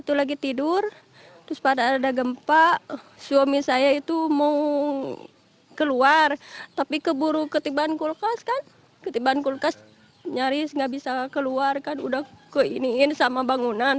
terus gak bisa keluar kan udah ke iniin sama bangunan